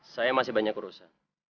saya masih banyak urusan